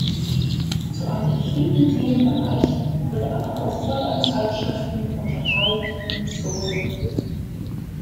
Zu einem bestimmten Themenbereich wird eine Auswahl an Zeitschriften unterteilt in Zonen.